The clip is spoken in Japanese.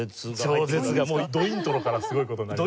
超絶がどイントロからすごい事になります。